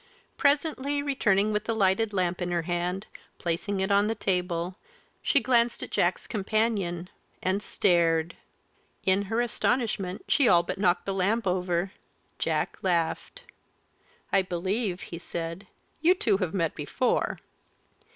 Presently, returning with the lighted lamp in her hand, placing it on the table, she glanced at Jack's companion and stared. In her astonishment, she all but knocked the lamp over. Jack laughed. "I believe," he said, "you two have met before."